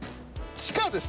地下です。